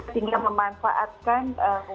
sehingga memanfaatkan masalah indonesia